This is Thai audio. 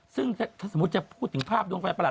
ซึ่งถ้าสมมุติจะพูดถึงภาพดวงไฟประหลา